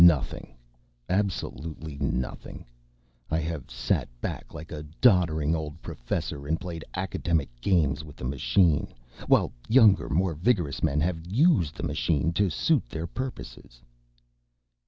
_Nothing. Absolutely nothing. I have sat back like a doddering old professor and played academic games with the machine, while younger, more vigorous men have USED the machine to suit their purposes.